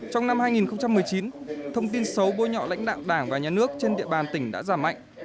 trong năm hai nghìn một mươi chín thông tin xấu bôi nhọ lãnh đạo đảng và nhà nước trên địa bàn tỉnh đã giảm mạnh